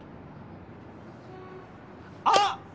あっ！